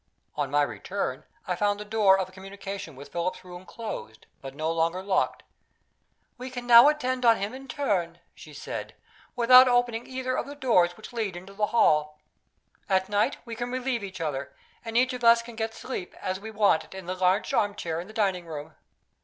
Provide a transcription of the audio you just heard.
On my return, I found the door of communication with Philip's room closed, but no longer locked. "We can now attend on him in turn," she said, "without opening either of the doors which lead into the hall. At night we can relieve each other, and each of us can get sleep as we want it in the large armchair in the dining room.